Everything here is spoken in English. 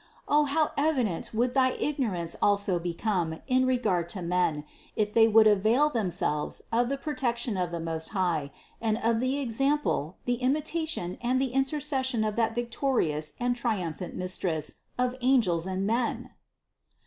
O how evident would thy ignorance also become in regard to men, if they would avail themselves of the protection of the Most High, and of the example, the imitation and the intercession of that victorious and triumphant Mistress of angels and men!